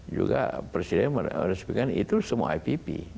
juga presiden harus bilang itu semua ipp